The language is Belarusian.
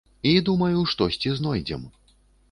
І думаю, штосьці знойдзем.